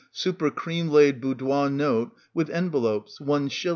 super cream laid boudoir note — with envelopes — is."